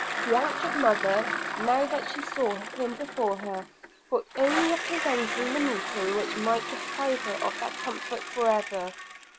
The anxious mother, now that she saw him before her, thought only of preventing the meeting which might deprive her of that comfort for ever.